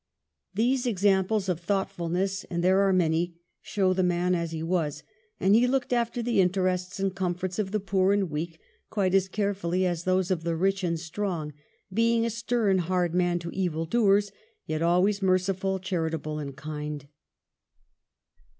These examples of thoughtfulness, and there are many, show the man as he was. And he looked after the interests and comforts of the poor and weak quite as carefully as those of the rich and strong, being a stem, hard man to evil doers, yet always merciful, charitable, and kind.